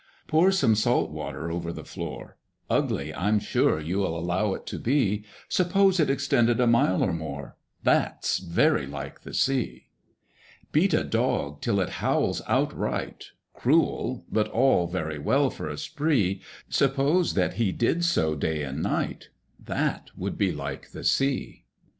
Pour some salt water over the floor— Ugly I'm sure you'll allow it to be: Suppose it extended a mile or more, That's very like the Sea. Beat a dog till it howls outright— Cruel, but all very well for a spree: Suppose that he did so day and night, That would be like the Sea.